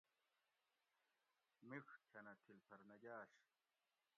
مِیڄ کھنہ تھِل پھر نہ گاٞش